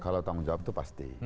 kalau tanggung jawab itu pasti